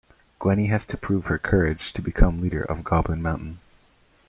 Gwenny has to prove her courage to become leader of Goblin Mountain.